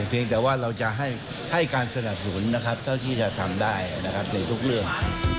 เพียงแต่ว่าเราจะให้การสนับสนุนนะครับเท่าที่จะทำได้นะครับในทุกเรื่อง